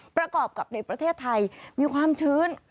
ประกอบกับในประเทศไทยมีความชื้น